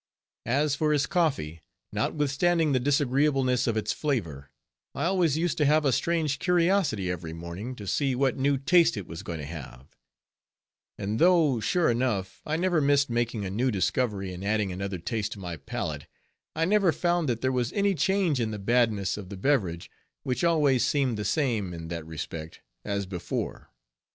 As for his coffee, notwithstanding the disagreeableness of its flavor, I always used to have a strange curiosity every morning, to see what new taste it was going to have; and though, sure enough, I never missed making a new discovery, and adding another taste to my palate, I never found that there was any change in the badness of the beverage, which always seemed the same in that respect as before.